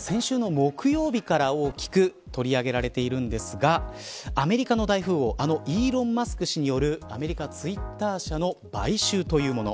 先週の木曜日から大きく取り上げられているんですがアメリカの大富豪イーロン・マスク氏によるアメリカ、ツイッター社の買収というもの。